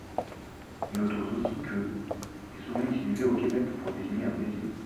Notons aussi que est souvent utilisé au Québec pour désigner un évier.